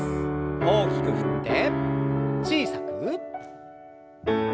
大きく振って小さく。